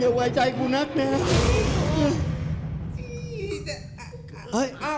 อย่าไว้ใจกูนักเนี่ย